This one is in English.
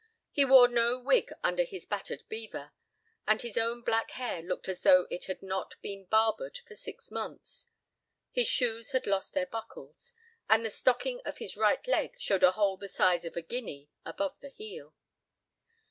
He wore no wig under his battered beaver, and his own black hair looked as though it had not been barbered for six months. His shoes had lost their buckles, and the stocking of his right leg showed a hole the size of a guinea above the heel.